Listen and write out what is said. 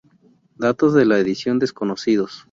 Datos de la edición desconocidos.